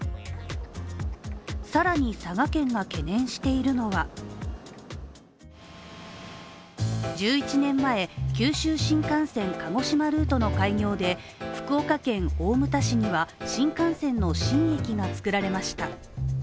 更に佐賀県が懸念しているのは１１年前、九州新幹線鹿児島ルートの開業で福岡県大牟田市には、新幹線の新駅がつくられました。